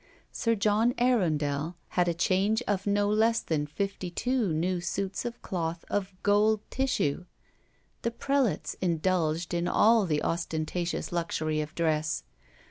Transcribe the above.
Sir John Arundel had a change of no less than fifty two new suits of cloth of gold tissue. The prelates indulged in all the ostentatious luxury of dress.